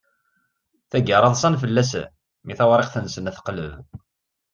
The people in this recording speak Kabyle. Tagara ḍsan fell-asen, mi tawriqt-nsen teqleb.